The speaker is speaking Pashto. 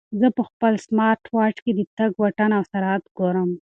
زه په خپل سمارټ واچ کې د تګ واټن او سرعت ګورم.